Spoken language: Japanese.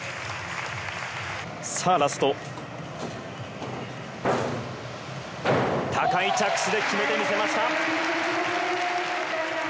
さあラスト高い着地で決めてみせました